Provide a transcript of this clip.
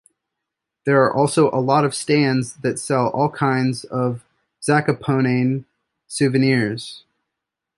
There are also a lot of stands that sell all kinds of Zakopane souvenirs.